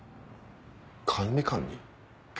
管理官に？